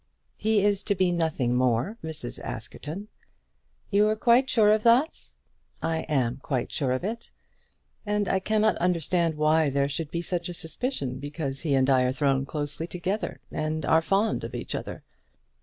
"He is to be nothing more, Mrs. Askerton." "You're quite sure of that?" "I am quite sure of it. And I cannot understand why there should be such a suspicion because he and I are thrown closely together, and are fond of each other.